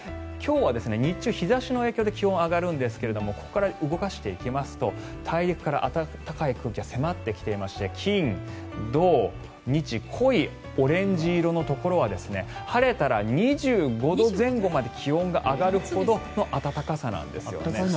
今日は日中、日差しの影響で気温が上がるんですがここから動かしていきますと大陸から暖かい空気が迫ってきていまして金、土、日濃いオレンジ色のところは晴れたら２５度前後まで気温が上がるほどの暖かさなんですね。